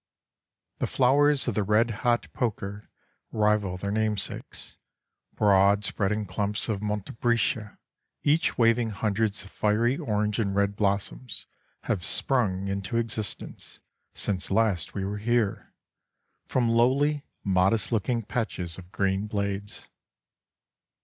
The flowers of the Red hot poker rival their namesakes; broad spreading clumps of montbretia, each waving hundreds of fiery orange and red blossoms, have sprung into existence, since last we were here, from lowly modest looking patches of green blades.